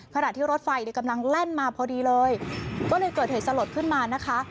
ขณะที่รถไฟกำลังแล่นมาพอดีเลยก็เลยเกิดเหตุสลดขึ้นมานะคะ